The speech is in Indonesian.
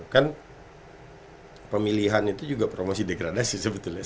kan pemilihan itu juga promosi degradasi sebetulnya